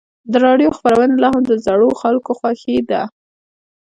د راډیو خپرونې لا هم د زړو خلکو خوښې دي.